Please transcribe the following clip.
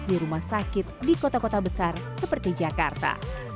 di rumah sakit di kota kota besar seperti jakarta